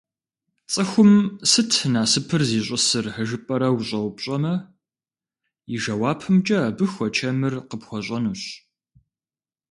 Цӏыхум «сыт насыпыр зищӏысыр?» жыпӏэрэ ущӏэупщӏэмэ, и жэуапымкӏэ абы хуэчэмыр къыпхуэщӏэнущ.